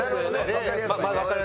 わかりやすいね。